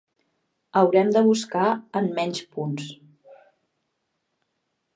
Haurem de buscar en menys punts.